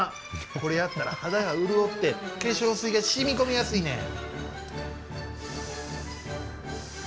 これやったら肌が潤って、化粧水がしみこみやすいねん。